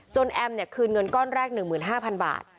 แอมคืนเงินก้อนแรก๑๕๐๐๐บาท